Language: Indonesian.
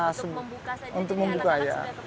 untuk membuka saja jadi anak anak sudah kepingin ya